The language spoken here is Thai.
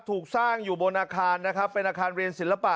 ถูกสร้างอยู่บนอาคารนะครับเป็นอาคารเรียนศิลปะ